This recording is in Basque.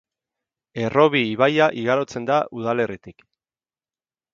Errobi ibaia igarotzen da udalerritik.